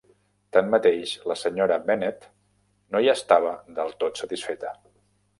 Tanmateix, la senyora Bennet no hi estava del tot satisfeta.